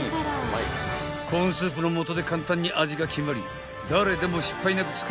［コーンスープのもとで簡単に味が決まり誰でも失敗なく